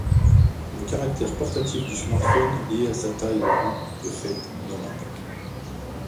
Le caractère portatif du smartphone lié à sa taille le rend, de fait, nomade.